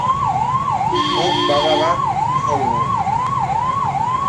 Guk baba bat jo dugu.